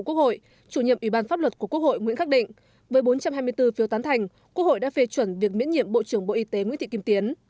quốc hội chủ nhiệm ủy ban pháp luật của quốc hội nguyễn khắc định với bốn trăm hai mươi bốn phiếu tán thành quốc hội đã phê chuẩn việc miễn nhiệm bộ trưởng bộ y tế nguyễn thị kim tiến